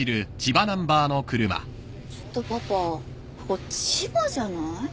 ちょっとパパここ千葉じゃない？